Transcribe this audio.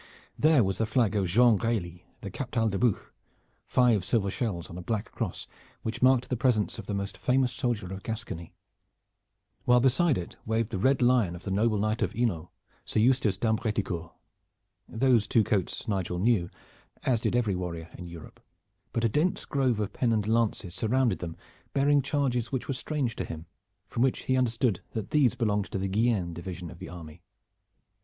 There was the flag of Jean Grailly, the Captal de Buch, five silver shells on a black cross, which marked the presence of the most famous soldier of Gascony, while beside it waved the red lion of the noble Knight of Hainault, Sir Eustace d'Ambreticourt. These two coats Nigel knew, as did every warrior in Europe, but a dense grove of pennoned lances surrounded them, bearing charges which were strange to him, from which he understood that these belonged to the Guienne division of the army.